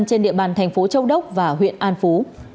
trên địa bàn thành phố châu đốc và huyện an phú